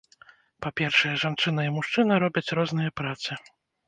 Па-першае, жанчына і мужчына робяць розныя працы.